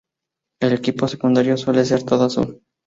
El equipo secundario suele ser todo azul.